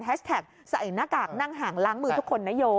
แฮชแท็กใส่หน้ากากนั่งหางล้างมือทุกคนนโย